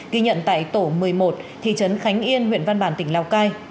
ghi nhận tại tổ một mươi một thị trấn khánh yên huyện văn bàn tỉnh lào cai